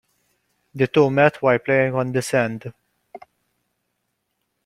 The two met while playing on the sand.